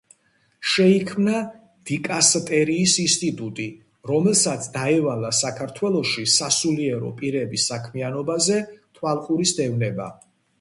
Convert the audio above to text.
შეიქმნა დიკასტერიის ინსტიტუტი, რომელსაც დაევალა საქართველოში სასულიერო პირების საქმიანობაზე თვალყურის დევნა.